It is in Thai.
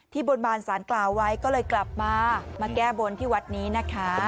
บนบานสารกล่าวไว้ก็เลยกลับมามาแก้บนที่วัดนี้นะคะ